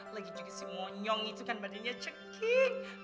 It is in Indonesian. lagi juga si monyong itu kan badannya cekik